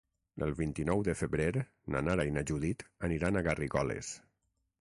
El vint-i-nou de febrer na Nara i na Judit aniran a Garrigoles.